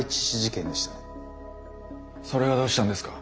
それがどうしたんですか。